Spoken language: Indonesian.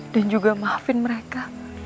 dan juga maafin mereka